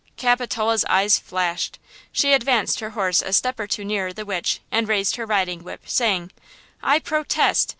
Capitola's eyes flashed! She advanced her horse a step or two nearer the witch and raised her riding whip, saying: "I protest!